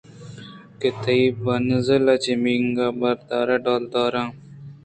کہ تئی بانزُل چہ منیگاں برٛاہ دار ءُ ڈولدار تِراں